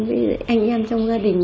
với anh em trong gia đình